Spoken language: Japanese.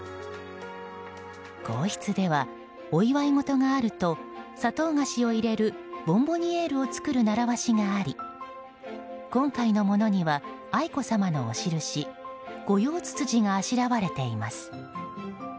皇室では、お祝い事があると砂糖菓子を入れるボンボニエールを作る習わしがあり今回のものには愛子さまのお印ゴヨウツツジがあしらわれています。